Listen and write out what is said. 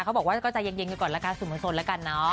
เขาบอกว่าก็จะเย็นอยู่ก่อนละกันสุดมันสนละกันเนาะ